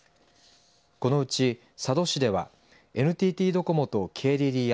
このうち、佐渡市ではＮＴＴドコモとＫＤＤＩ